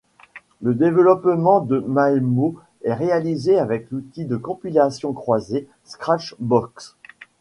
Le développement de Maemo est réalisé avec l'outil de compilation croisée Scratchbox.